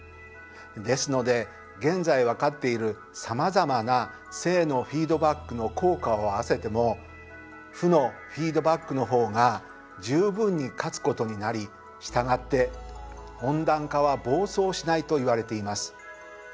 ですので現在分かっているさまざまな正のフィードバックの効果を合わせても負のフィードバックの方が十分に勝つことになり従って温暖化は暴走しないといわれています。